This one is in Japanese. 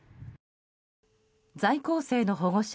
在校生の保護者